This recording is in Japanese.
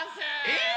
えっ⁉